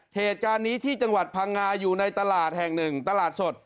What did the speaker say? เหตุการณ์นี้ที่จังหวัดพังงาอยู่ในตลาดแห่งหนึ่งตลาดสด